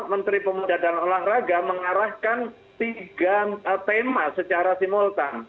menteri pemuda dan olahraga mengarahkan tiga tema secara simultan